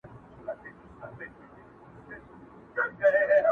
له سهاره تر ماښامه په ژړا یو!!